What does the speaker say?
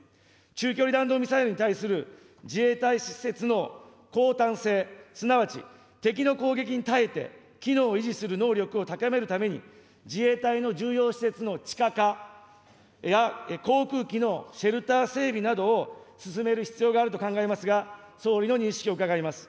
中距離弾道ミサイルに対する自衛隊施設の抗たん性、すなわち、敵の攻撃に耐えて、機能を維持する能力を高めるために、自衛隊の重要施設の地下化や、航空機のシェルター整備などを進める必要があると考えますが、総理の認識を伺います。